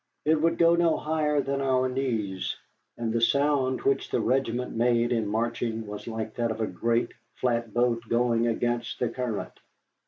It would go no higher than our knees, and the sound which the regiment made in marching was like that of a great flatboat going against the current.